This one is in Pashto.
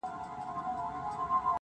نه ماتېږي مي هیڅ تنده بې له جامه,